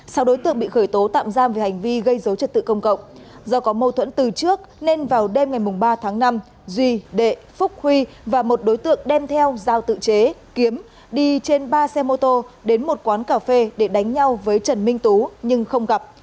sau đối tượng bị khởi tố tạm giam về hành vi gây dối trật tự công cộng do có mâu thuẫn từ trước nên vào đêm ngày ba tháng năm duy đệ phúc huy và một đối tượng đem theo giao tự chế kiếm đi trên ba xe mô tô đến một quán cà phê để đánh nhau với trần minh tú nhưng không gặp